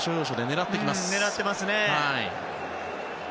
狙ってますね。